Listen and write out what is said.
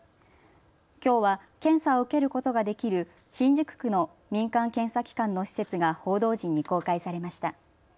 きょうは検査を受けることができる新宿区の民間検査機関の施設が報道陣に公開されました。